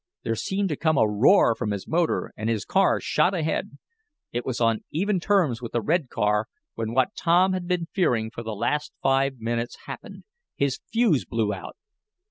There seemed to come a roar from his motor and his car shot ahead. It was on even terms with the red car when what Tom had been fearing for the last five minutes happened: his fuse blew out.